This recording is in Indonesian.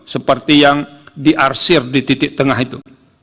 seperti yang diarsir di titik tengah itu